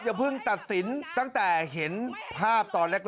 อย่าเพิ่งตัดสินตั้งแต่เห็นภาพตอนแรก